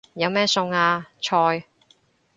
有咩餸啊？菜